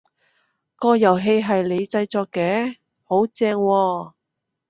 個遊戲係你製作嘅？好正喎！